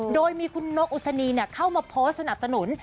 โดยมีคุณนกอุศนีเข้ามาโพสต์สนับสนุน